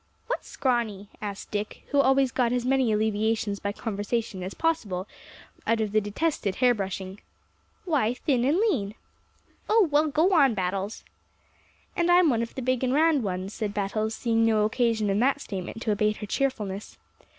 "What's scrawny?" asked Dick, who always got as many alleviations by conversation as possible out of the detested hair brushing. "Why, thin and lean." "Oh, well, go on, Battles." "And I'm one of the big and round ones," said Battles, seeing no occasion in that statement to abate her cheerfulness.